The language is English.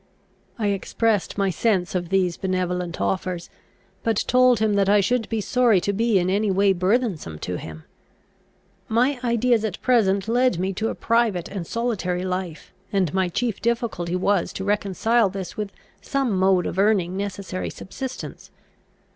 I expressed my sense of these benevolent offers, but told him that I should be sorry to be in any way burthensome to him. "My ideas at present led me to a private and solitary life, and my chief difficulty was to reconcile this with some mode of earning necessary subsistence.